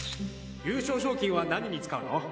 優勝賞金は何に使うの？